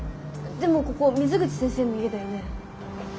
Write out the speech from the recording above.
でもここ水口先生の家だよね。